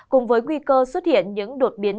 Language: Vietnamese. cùng với nguy cơ xuất hiện những đột biến